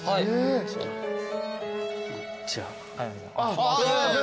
じゃあ。